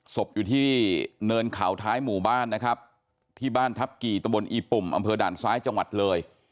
ศพอยู่ที่เนินเขาท้ายหมู่บ้านนะครับที่บ้านทัพกี่ตำบลอีปุ่มอำเภอด่านซ้ายจังหวัดเลย